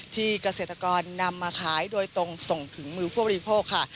เกษตรกรนำมาขายโดยตรงส่งถึงมือผู้บริโภคค่ะ